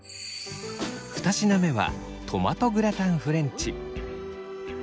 二品目はトマトグラタンフレンチ。